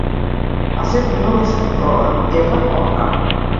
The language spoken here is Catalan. El seu cognom és Roa: erra, o, a.